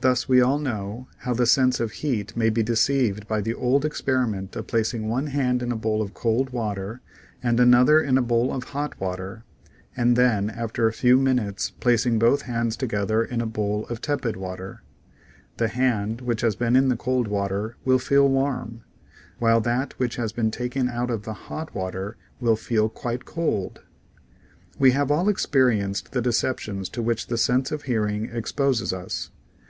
Thus we all know how the sense of heat may be deceived by the old experiment of placing one hand in a bowl of cold water and the other in a bowl of hot water, and then, after a few minutes, placing both hands together in a bowl of tepid water; the hand, which has been in the cold water will feel warm, while that which has just been taken from the hot water, will feel quite cold. We have all experienced the deceptions to which the sense of hearing exposes us.